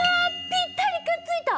ぴったりくっついた！